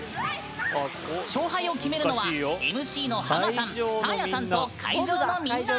勝敗を決めるのはＭＣのハマさん、サーヤさんと会場のみんな。